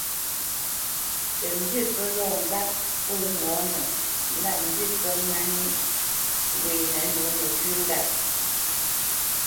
Tə mbî pə́ lɔ ŋgàt pfó ŋɔ̌nə lâ mbî pə́ mà nîʼ wenə nǒ nəfʉ́ ŋgât.